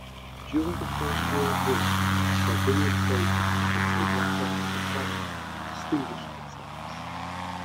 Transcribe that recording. During the First World War, the Sardinian soldiers of the Brigata Sassari distinguished themselves.